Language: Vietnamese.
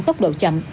tốc độ chậm